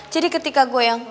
jadi ketika gue yang